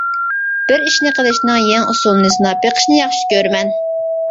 بىر ئىشنى قىلىشنىڭ يېڭى ئۇسۇلىنى سىناپ بېقىشنى ياخشى كۆرىمەن.